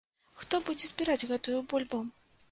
Хто будзе збіраць гэтую бульбу?